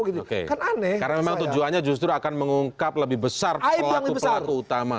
karena memang tujuannya justru akan mengungkap lebih besar pelaku pelaku utama